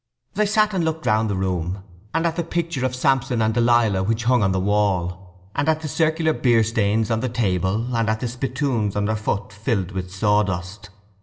They sat and looked round the room, and at the picture of Samson and Delilah which hung on the wall, and at the circular beer stains on the table, and at the spittoons underfoot filled with sawdust.